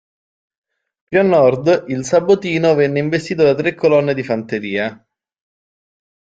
Più a nord il Sabotino venne investito da tre colonne di fanteria.